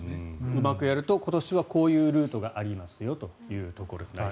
うまくやると今年はこういうルートがありますよと。